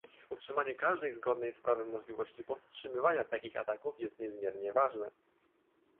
Utrzymanie każdej zgodnej z prawem możliwości powstrzymywania takich ataków jest niezmiernie ważne